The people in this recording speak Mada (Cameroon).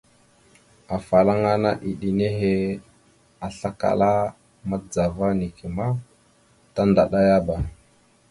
Afalaŋana iɗə nehe aslakala madəzava neke ma tandaɗayaba.